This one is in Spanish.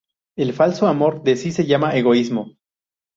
El falso amor de sí se llama egoísmo.